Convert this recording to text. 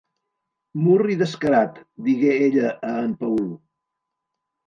"Murri descarat!", digué ella a en Paul.